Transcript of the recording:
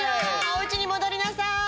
お家に戻りなさい。